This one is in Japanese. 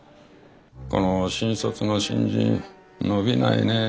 この新卒の新人伸びないね。